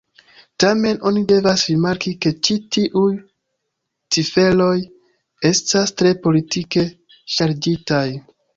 Tamen, oni devas rimarki ke ĉi tiuj ciferoj estas tre politike ŝarĝitaj.